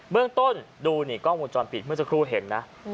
เมืองต้นดูนี่กล้องวงจรปิดเมื่อสักครู่เห็นนะ